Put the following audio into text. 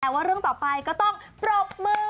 แต่ว่าเรื่องต่อไปก็ต้องปรบมือ